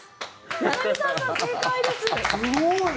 柳澤さん、正解です！